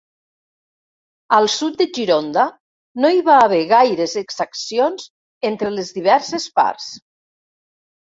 Al sud de Gironda, no hi va haver gaires exaccions entre les diverses parts.